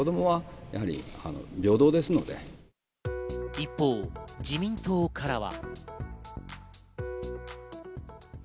一方、自民党からは。